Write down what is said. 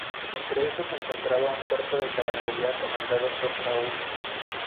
Entre estos se encontraba un cuerpo de caballería comandado por Saúl.